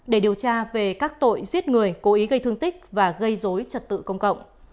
để điều tra về các tội giết người cố ý gây thương tích và gây dối trật tự công cộng